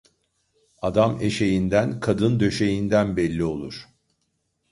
Adam eşeğinden, kadın döşeğinden belli olur.